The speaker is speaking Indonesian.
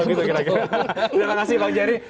terima kasih bang jerry